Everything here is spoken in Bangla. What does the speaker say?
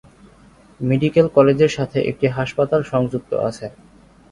মেডিকেল কলেজের সাথে একটি হাসপাতাল সংযুক্ত আছে।